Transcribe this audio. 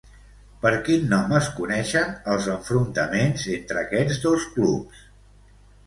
Per quin nom es coneixen els enfrontaments entre aquests dos clubs?